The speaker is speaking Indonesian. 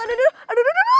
aduh aduh aduh aduh